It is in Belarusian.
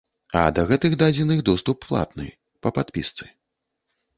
А да гэтых дадзеных доступ платны, па падпісцы.